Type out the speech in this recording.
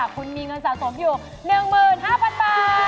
คุณมีเงินสะสมอยู่๑๕๐๐๐บาท